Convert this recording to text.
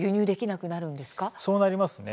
そうなりますね。